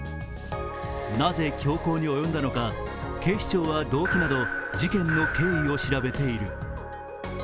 なぜ凶行に及んだのか警視庁は動機など事件の経緯を調べている。